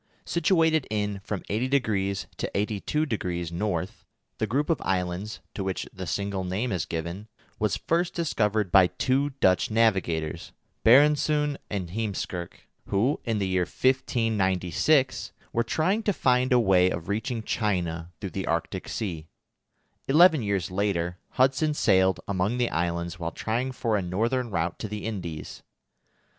Situated in from 80° to 82° N., the group of islands, to which the single name is given, was first discovered by two Dutch navigators, Barendszoon and Heemskirk, who, in the year 1596, were trying to find a way of reaching China through the Arctic Sea. Eleven years later, Hudson sailed among the islands while trying for a northern route to the Indies.